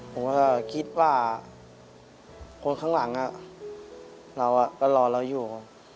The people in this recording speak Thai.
ผมก็คิดว่าคนข้างหลังเราก็รอเราอยู่